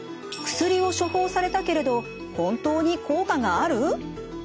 薬を処方されたけれど本当に効果がある？